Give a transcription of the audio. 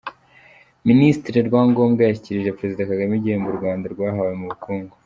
Minisitiri Rwangombwa yashyikirije Perezida Kagame igihembo u Rwanda rwahawe mu bukungu